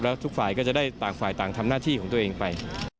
แล้วทุกฝ่ายก็จะได้ต่างฝ่ายต่างทำหน้าที่ของตัวเองไป